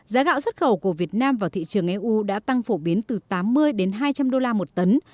giá gạo xuất khẩu của việt nam vào thị trường eu đã tăng phổ biến từ tám mươi đến hai trăm linh đô la một tấn